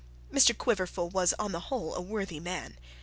Mr Quiverful was on the whole a worthy man.